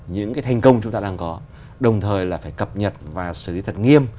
những cái thành công chúng ta đang có đồng thời là phải cập nhật và xử lý thật nghiêm